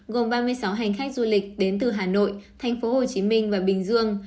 gồm ba mươi sáu hành khách du lịch đến từ hà nội thành phố hồ chí minh và bình dương